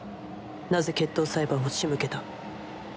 なぜ決闘裁判を仕向けた？